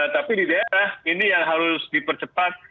tapi di daerah ini yang harus dipercepat